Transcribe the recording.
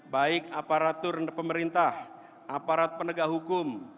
baik aparatur pemerintah aparat penegak hukum